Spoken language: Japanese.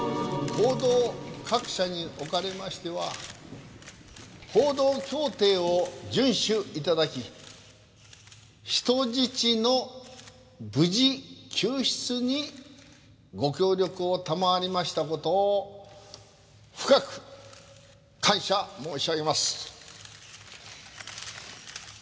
「報道各社におかれましては報道協定を遵守頂き人質の無事救出にご協力を賜りました事を深く感謝申し上げます」